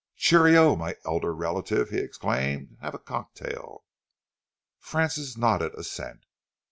"Cheerio, my elderly relative!" he exclaimed. "Have a cocktail." Francis nodded assent.